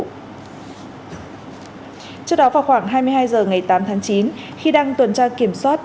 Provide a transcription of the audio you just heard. trước đó vào khoảng hai mươi hai h ngày tám tháng chín khi đang tuần tra kiểm soát